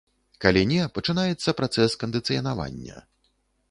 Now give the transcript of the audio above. Калі не, пачынаецца працэс кандыцыянавання.